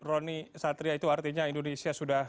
roni satria itu artinya indonesia sudah